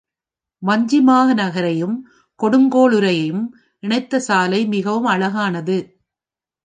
வஞ்சிமாநகரையும் கொடுங்கோளுரையும் இணைத்த சாலை மிகவும் அழகானது.